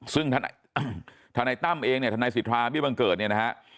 ซึ่งธนัยตั้มเองเนี่ยธนัยศิษฐาพี่บังเกิดเนี่ยนะฮะ